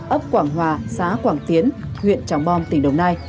ấp quảng hòa xá quảng tiến huyện trắng bom tỉnh đồng nai